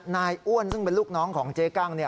อ้วนซึ่งเป็นลูกน้องของเจ๊กั้ง